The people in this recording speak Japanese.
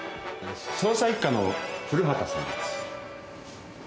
捜査一課の古畑さんです。